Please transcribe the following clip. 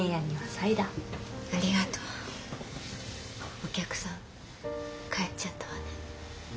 お客さん帰っちゃったわね。